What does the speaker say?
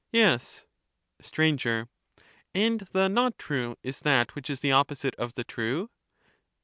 Yes. Str. And the not true is that which is the opposite of the true?